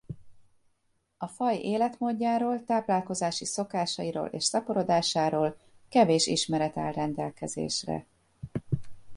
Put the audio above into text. A faj életmódjáról táplálkozási szokásairól és szaporodásáról kevés ismeret áll rendelkezésre.